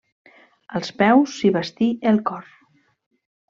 Als peus s'hi bastí el cor.